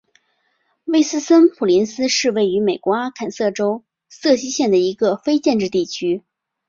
威茨斯普林斯是位于美国阿肯色州瑟西县的一个非建制地区。